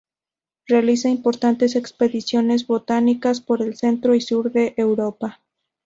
Realiza importantes expediciones botánicas por el centro y sur de Europa.